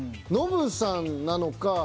ノブさんなのか。